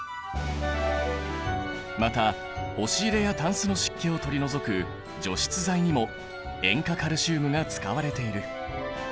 また押し入れやタンスの湿気を取り除く除湿剤にも塩化カルシウムが使われている。